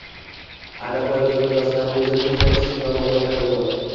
Agar poyabzal yuzasi nam bo‘lsa, tezda chiziq va dog‘lar paydo bo‘ladi